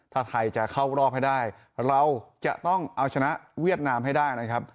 ถ้าไทยจะเข้ารอบให้ได้เราจะต้องเอาชนะเวียดนามให้ได้นะครับ